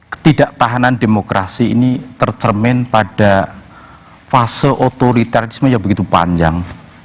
ketidaktahanan demokrasi ini tercermin pada fase otoritarisme yang begitu panjang